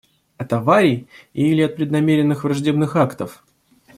От аварий или от преднамеренных враждебных актов?